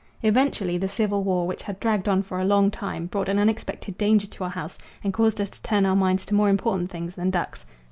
Eventually the civil war, which had dragged on for a long time, brought an unexpected danger to our house and caused us to turn our minds to more important things than ducks.